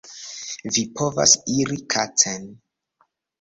Vi povas iri kacen